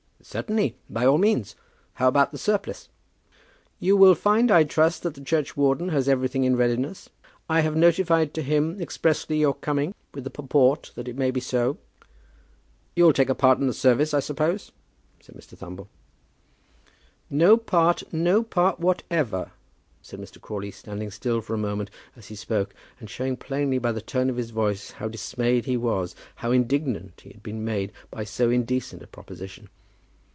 "Certainly, by all means. How about the surplice?" "You will find, I trust, that the churchwarden has everything in readiness. I have notified to him expressly your coming, with the purport that it may be so." "You'll take a part in the service, I suppose?" said Mr. Thumble. "No part, no part whatever," said Mr. Crawley, standing still for a moment as he spoke, and showing plainly by the tone of his voice how dismayed he was, how indignant he had been made, by so indecent a proposition.